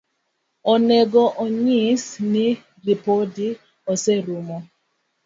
Onego onyis ni ripodi oserumo.